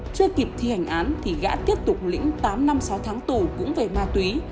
chưa kịp thi hành án thì gã tiếp tục lĩnh tám năm sáu tháng tù cũng về ma túy